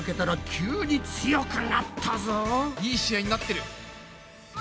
いい試合になってる。